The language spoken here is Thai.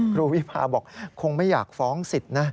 ครูวิพาบอกคงไม่อยากฟ้องสิทธิ์นะ